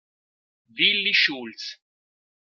Willi Schulz